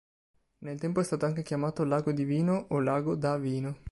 Nel tempo è stato anche chiamato "Lago Divino" o "Lago da Vino".